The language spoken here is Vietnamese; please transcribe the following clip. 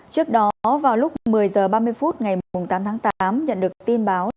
trước đó vào lúc một mươi h ba mươi phút ngày tám tháng tám nhận được tin báo